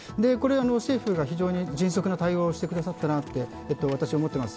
政府が非常に迅速な対応をしてくださったなって私、思っています。